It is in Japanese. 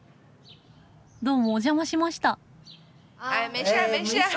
どうもお邪魔しました。